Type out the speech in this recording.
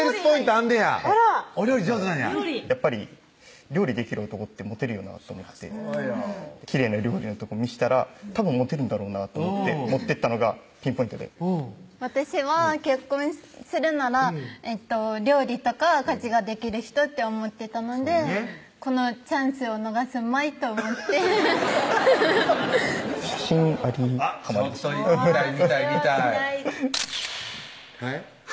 あんねやお料理上手なんややっぱり料理できる男ってモテるよなと思ってきれいな料理のとこ見したらたぶんモテるんだろうなと思って持ってったのがピンポイントで私は結婚するなら料理とか家事ができる人って思ってたのでこのチャンスを逃すまいと思って写真ありちょっと１個ぐらい見たい見たいへっ？